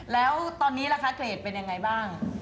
แล้วตอนนี้ล่ะคะเกรดเป็นอย่างไรบ้าง